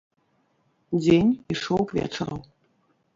Дзень ішоў к вечару.